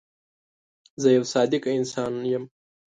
زه یو صادقه انسان یم.